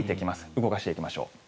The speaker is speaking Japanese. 動かしていきましょう。